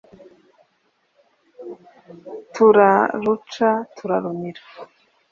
Turaruca turarumira.